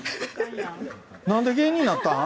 なんで芸人なったん？